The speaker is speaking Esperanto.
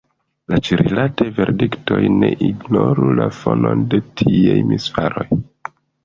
La ĉi-rilataj verdiktoj ne ignoru la fonon de tiaj misfaroj.